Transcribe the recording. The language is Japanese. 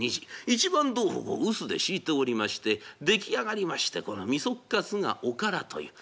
一番豆腐を臼でひいておりまして出来上がりましてこのみそっかすがおからという。